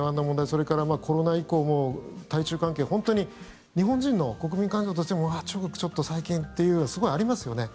それからコロナ以降も対中関係本当に日本人の国民感情としてもうわ中国ちょっと最近というのはすごいありますよね。